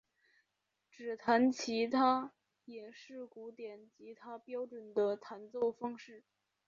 指弹吉他也是古典吉他标准的弹奏方式。